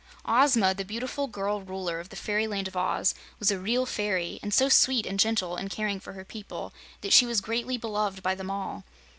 Ozma, the beautiful girl Ruler of the Fairyland of Oz, was a real fairy, and so sweet and gentle in caring for her people that she was greatly beloved by them all.